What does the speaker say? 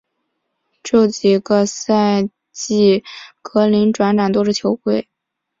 之后几个赛季格林转辗多支球队。